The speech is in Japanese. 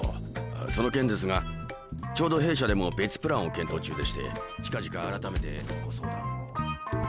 その件ですがちょうど弊社でも別プランを検討中でして近々改めてご相談を。